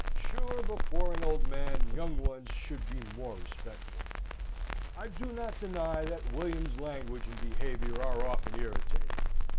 Sure, before an old man, young ones should be more respectful. I do not deny that Wm.'s language and behaviour are often irritating.